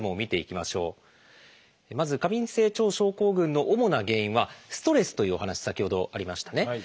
まず過敏性腸症候群の主な原因はストレスというお話先ほどありましたね。